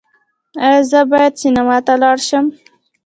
ایا زه باید سینما ته لاړ شم؟